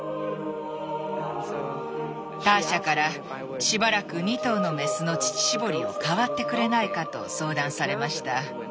ターシャから「しばらく２頭のメスの乳搾りを代わってくれないか」と相談されました。